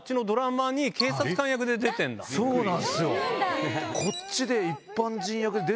そうなんすよ。